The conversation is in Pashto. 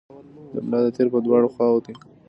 د ملا د تیر په دواړو خواوو دي.